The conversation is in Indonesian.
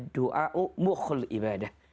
doa itu meminta ibadah